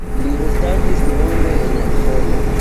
Li restadis longe en Usono.